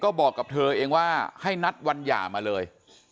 ก็บอกกับเธอเองว่าให้นัดวันหย่ามาเลย